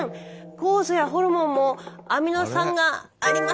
「酵素やホルモンもアミノ酸がありませんよ」。